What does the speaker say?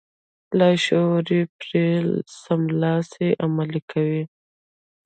لاشعور پرې سملاسي عمل کوي.